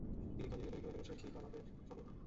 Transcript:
তিনি কাদেরিয়া তরিকার একাদশ ‘খিরকাহ’ লাভে সম্মানিত হন।